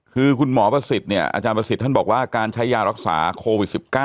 คือคุณหมอประสิทธิ์เนี่ยอาจารย์ประสิทธิ์ท่านบอกว่าการใช้ยารักษาโควิด๑๙